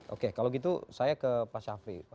oke kalau gitu saya ke pak syafri